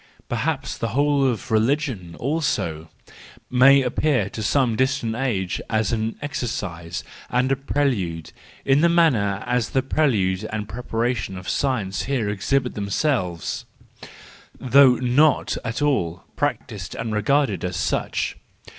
Perhaps the whole of religion , also, may appear to some distant age as an exercise and a prelude, in like manner as the prelude and pre¬ paration of science here exhibit themselves, though not at all practised and regarded as such.